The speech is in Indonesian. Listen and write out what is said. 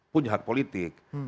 punya hak politik